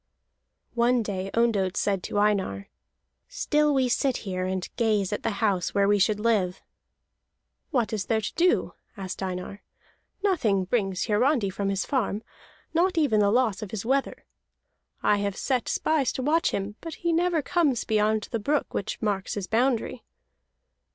One day Ondott said to Einar: "Still we sit here, and gaze at the house where we should live." "What is there to do?" asked Einar. "Nothing brings Hiarandi from his farm, not even the loss of his wether. I have set spies to watch him, but he never comes beyond the brook which marks his boundary."